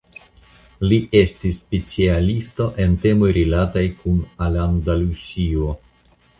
Li estis specialisto en temoj rilataj kun Alandalusio.